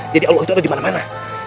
jadi allah itu ada dimana mana